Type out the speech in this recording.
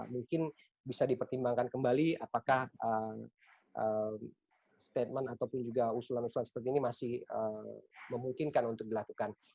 mungkin bisa dipertimbangkan kembali apakah statement ataupun juga usulan usulan seperti ini masih memungkinkan untuk dilakukan